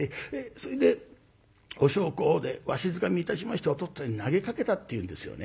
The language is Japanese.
それでお焼香をわしづかみいたしましてお父っつぁんに投げかけたっていうんですよね。